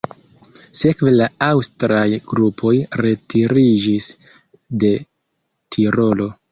Sekve la aŭstraj trupoj retiriĝis de Tirolo.